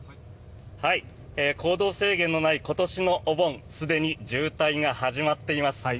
行動制限のない今年のお盆すでに渋滞が始まっています。